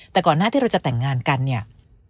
แต่ก่อนหน้าที่เราจะแต่งงานกันเนี่ย